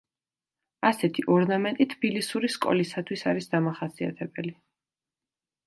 ასეთი ორნამენტი თბილისური სკოლისათვის არის დამახასიათებელი.